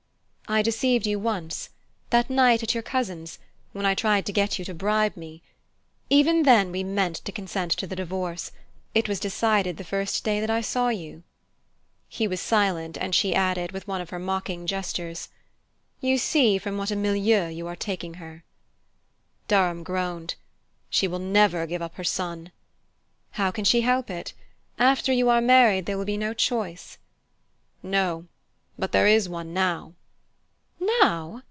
"I deceived you once that night at your cousin's, when I tried to get you to bribe me. Even then we meant to consent to the divorce it was decided the first day that I saw you." He was silent, and she added, with one of her mocking gestures: "You see from what a milieu you are taking her!" Durham groaned. "She will never give up her son!" "How can she help it? After you are married there will be no choice." "No but there is one now." "_Now?